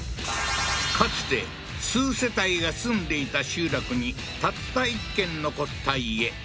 かつて数世帯が住んでいた集落にたった１軒残った家